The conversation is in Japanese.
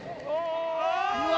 うわ！